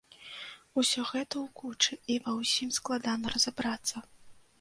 Усё гэта ў кучы і ва ўсім складана разабрацца.